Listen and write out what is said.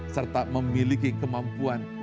serta memiliki kemampuan